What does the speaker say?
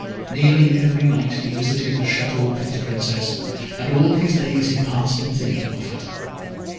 Nearly every night he visited the Château of his Princess, and all his days he passed in thinking of her.